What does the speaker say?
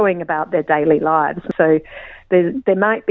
hanya berpikir tentang kehidupan sehari hari